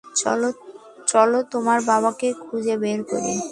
চলো, তোমার বাবাকে খুঁজে বের করি।